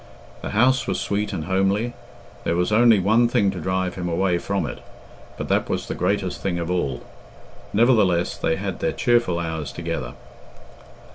The house was sweet and homely. There was only one thing to drive him away from it, but that was the greatest thing of all. Nevertheless they had their cheerful hours together.